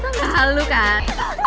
gak lalu kan